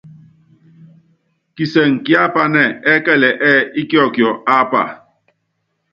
Kisɛŋɛ kíápanɛ́ ɛ́kɛlɛ ɛ́ɛ́ íkiɔkiɔ ápa.